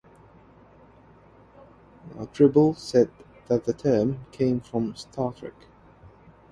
Tribble said that the term came from "Star Trek".